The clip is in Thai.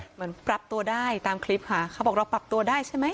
เหมือนปรับตัวได้ตามคลิปค่ะเขาบอกเราปรับตัวได้ใช่ไหม